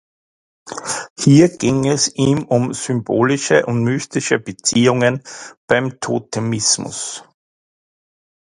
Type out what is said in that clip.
Hier ging es ihm um symbolische und mystische Beziehungen beim Totemismus.